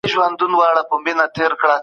که تاسي مسلکي نه ياست، پلان مه جوړوئ.